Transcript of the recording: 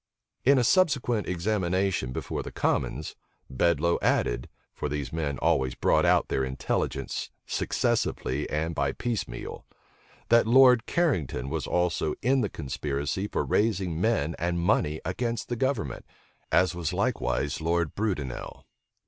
In a subsequent examination before the commons, Bedloe added, (for these men always brought out their intelligence successively and by piecemeal,) that Lord Carrington was also in the conspiracy for raising men and money against the government; as was likewise Loro Brudenel.